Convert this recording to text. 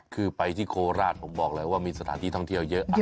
คือไปที่โคราชผมบอกเลยว่ามีสถานที่ท่องเที่ยวเยอะ